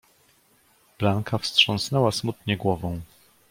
"Blanka wstrząsnęła smutnie głową."